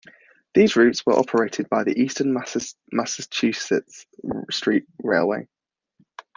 These routes were operated by the Eastern Massachusetts Street Railway.